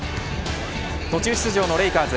途中出場のレイカーズ